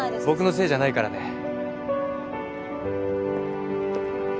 僕のせいじゃないからね。